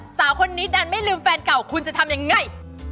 สาวคนนี้ดันไม่ลืมแฟนเก่าคุณจะทำยังไง